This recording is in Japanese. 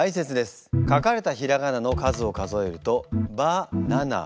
書かれたひらがなの数を数えると「ば」７。